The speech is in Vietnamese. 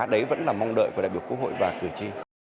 đấy vẫn là mong đợi của đại biểu quốc hội và cờ chi